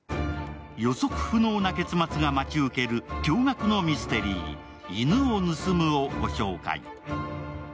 予測不能な結末が待ち受ける驚がくのミステリー、「犬を盗む」をご紹介。